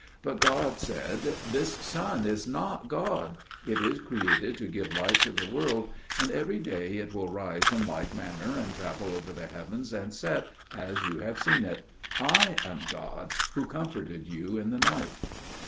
But God said, "This sun is not God; it is created to give light to the world, and every day it will rise in like manner, and travel over the heavens and set, as you have seen it. I am God, who comforted you in the night."